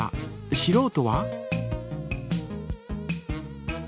しろうとは？